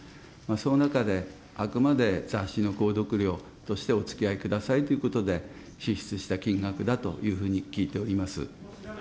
その中で、あくまで雑誌の購読料としておつきあいくださいということで、支出した金額だというふうに聞いております。